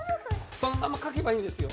そのまま書けばいいんですよ。